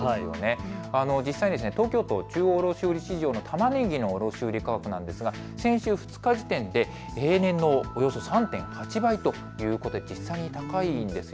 実際に東京都中央卸売市場のたまねぎの卸売価格なんですが、先週２日時点で平年のおよそ３．８倍ということで実際に高いんです。